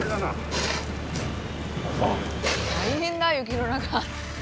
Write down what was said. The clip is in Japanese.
大変だ雪の中。